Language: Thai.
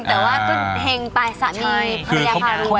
แต่ว่าก็เห็งไปสามีภรรยาพารวย